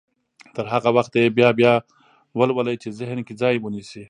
تر هغه وخته يې بيا بيا يې ولولئ چې ذهن کې ځای ونيسي.